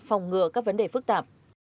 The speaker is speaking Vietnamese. phòng ngừa các vấn đề phức tạp